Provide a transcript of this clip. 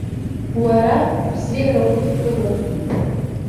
Уара бзиара удкылоуп.